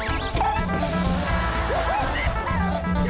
โอ้คุณพี่